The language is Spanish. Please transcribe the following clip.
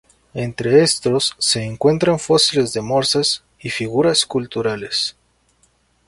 Entre estos se encuentran fósiles de morsa y figuras culturales.